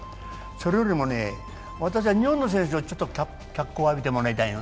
それよりも私は日本の選手が脚光を浴びてもらいたいの。